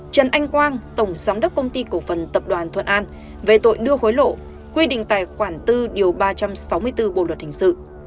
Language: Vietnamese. trần anh quang tổng giám đốc công ty cổ phần tập đoàn thuận an về tội đưa hối lộ quy định tài khoản bốn điều ba trăm sáu mươi bốn bộ luật hình sự